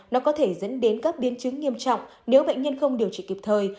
nó có thể dẫn đến các biến chứng nghiêm trọng nếu bệnh nhân không điều trị kịp thời